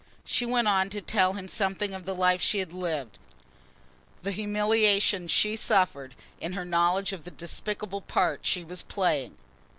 She went on to tell him something of the life she had lived, the humiliation she suffered in her knowledge of the despicable part she was playing.